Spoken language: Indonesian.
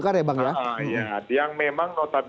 kandidat dari golkar ya bang ya iya